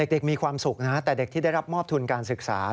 มีความสุขนะแต่เด็กที่ได้รับมอบทุนการศึกษา